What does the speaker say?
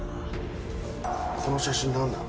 この写真なんだ？